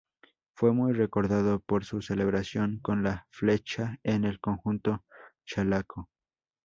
Fue muy recordado por su celebración con la flecha en el conjunto chalaco.